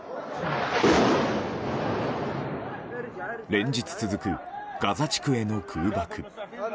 連日続くガザ地区への空爆。